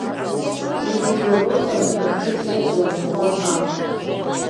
Иҵегь уамыхар акгьы ԥҵәаӡом, уаха!